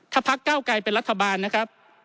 ถ้าพักเก้าไกรเป็นรัฐบาลนะครับ